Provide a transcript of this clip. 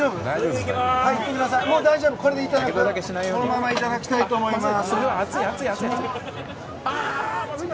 このままいただきたいと思います。